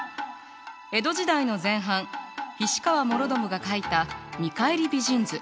江戸時代の前半菱川師宣が描いた「見返り美人図」。